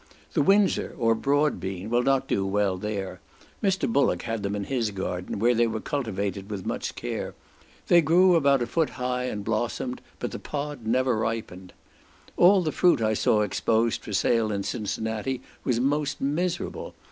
The Windsor, or broad bean, will not do well there; Mr. Bullock had them in his garden, where they were cultivated with much care; they grew about a foot high and blossomed, but the pod never ripened. All the fruit I saw exposed for sale in Cincinnati was most miserable.